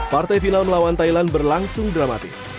partai final melawan thailand berlangsung dramatis